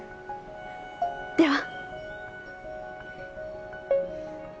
では。